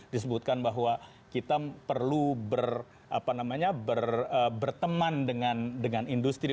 disebutkan bahwa kita perlu berteman dengan industri